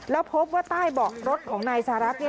แล้วพบว่าใต้เบาะรถของนายสหรัฐ